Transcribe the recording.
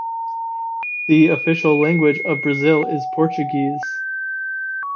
The official language of Brazil is Portuguese.